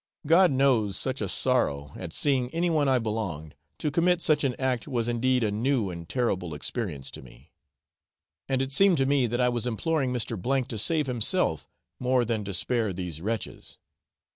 God knows such a sorrow at seeing anyone I belonged to commit such an act was indeed a new and terrible experience to me, and it seemed to me that I was imploring Mr. to save himself, more than to spare these wretches.